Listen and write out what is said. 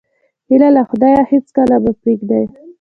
هیله له خدایه هېڅکله مه پرېږده.